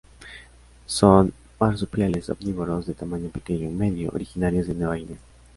Son marsupiales omnívoros de tamaño pequeño-medio originarios de Nueva Guinea.